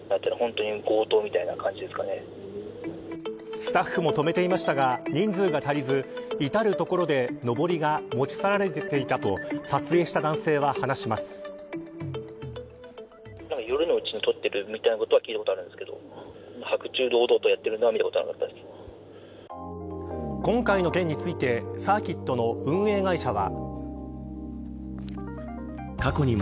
スタッフも止めていましたが人数が足りずいたる所でのぼりが持ち去られていたと今回の件についてサーキットの運営会社は。